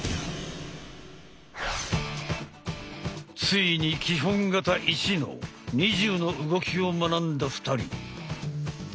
ついに「基本形１」の２０の動きを学んだ２人。